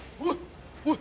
おい！